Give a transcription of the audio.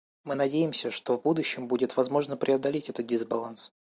Мы надеемся, что в будущем будет возможно преодолеть этот дисбаланс.